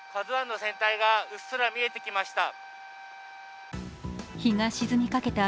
「ＫＡＺＵⅠ」の船体がうっすら見えてきました。